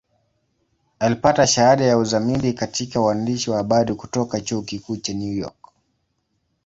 Alipata shahada ya uzamili katika uandishi wa habari kutoka Chuo Kikuu cha New York.